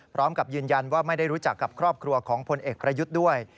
พร้อมกับยืนยันว่าไม่ได้รู้จักกับครอบครัวของพลเอกประยุทธ์ด้วย